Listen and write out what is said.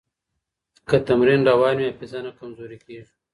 که تمرین روان وي، حافظه نه کمزورې کېږي.